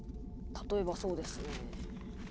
例えばそうですね。